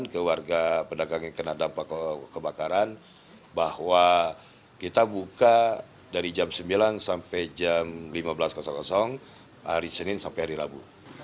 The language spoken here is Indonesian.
ke warga pedagang yang kena dampak kebakaran bahwa kita buka dari jam sembilan sampai jam lima belas hari senin sampai hari rabu